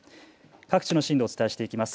各地の震度をお伝えしていきます。